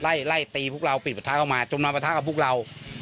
ไล่ไล่ตีพวกเราปิดประทะเข้ามาจนมาประทะกับพวกเรา